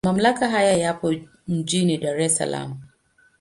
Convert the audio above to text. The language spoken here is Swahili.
Mamlaka haya yapo mjini Dar es Salaam.